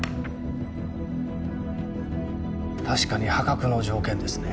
確かに破格の条件ですね。